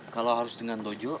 kalau harus dengan dojo